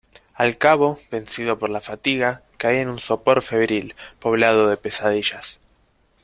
al cabo, vencido por la fatiga , caí en un sopor febril , poblado de pesadillas.